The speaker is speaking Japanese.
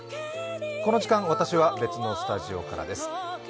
この時間、私は別のスタジオからです。